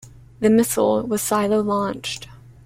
The missile was silo-launched.